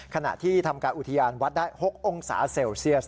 ขณะที่ทำการอุทยานวัดได้๖องศาเซลเซียส